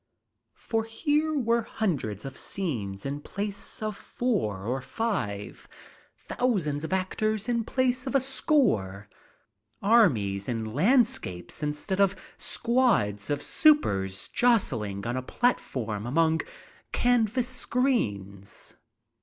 For here were hundreds of scenes in place of four or five; thousands of actors in place of a score; armies in landscape instead of squads ot supers jostling on a platform among canvas screens.